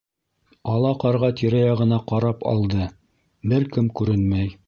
Ала ҡарға тирә-яғына ҡарап алды, бер кем күренмәй.